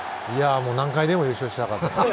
何回でも優勝したかったです。